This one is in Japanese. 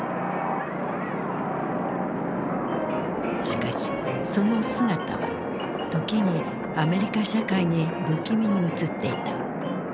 しかしその姿は時にアメリカ社会に不気味に映っていた。